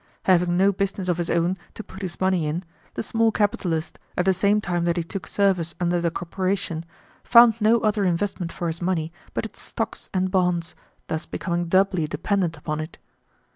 Having no business of his own to put his money in, the small capitalist, at the same time that he took service under the corporation, found no other investment for his money but its stocks and bonds, thus becoming doubly dependent upon it.